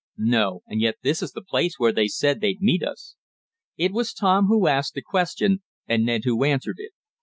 "No, and yet this is the place where they said they'd meet us." It was Tom who asked the question, and Ned who answered it.